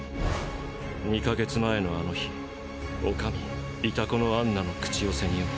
２か月前のあの日ＯＫＡＭＩイタコのアンナの口寄せによって。